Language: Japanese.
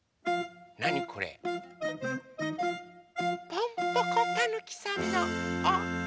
ポンポコたぬきさんのお・な・か。